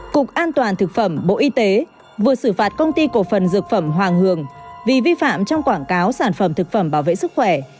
cục an toàn thực phẩm bộ y tế vừa xử phạt công ty cổ phần dược phẩm hoàng hường vì vi phạm trong quảng cáo sản phẩm thực phẩm bảo vệ sức khỏe